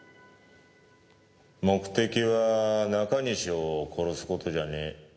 目的は中西を殺す事じゃねえ。